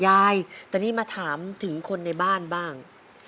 ยายตอนนี้มาถามถึงคนในบ้านบ้าง